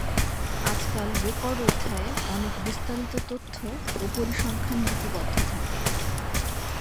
আজকাল রেকর্ড অধ্যায়ে অনেক বিস্তারিত তথ্য ও পরিসংখ্যান লিপিবদ্ধ থাকে।